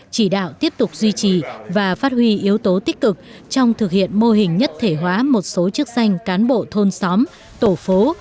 chỉ đạo tiếp tục duy trì và phát huy yếu tố tích cực trong thực hiện mô hình nhất thể hóa một số chức danh cán bộ thôn xóm tổ phố